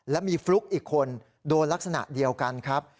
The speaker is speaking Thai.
และมีฟลุ๊กอีกคนโดนลักษณะเดียวกันครับ